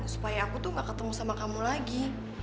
supaya aku tuh gak ketemu sama kamu lagi